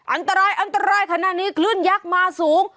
อันตรายอันตรายขณะนี้คลื่นยักษ์มาสูง